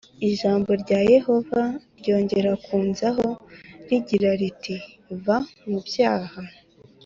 ijambo rya yehova ryongera kunzaho rigira riti va mu byaha